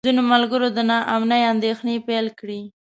ځینو ملګرو د نا امنۍ اندېښنې پیل کړې.